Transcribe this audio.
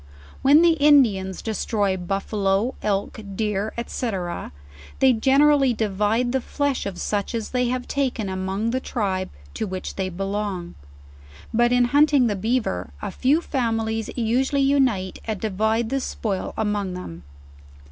When the Indians destroy buffaloe. elk, deer, &c. they generally divide the flesh of such as they have taken among the tribe to which they belong. But in hunting the beaver, a few families usually unite and divide the spoil among them.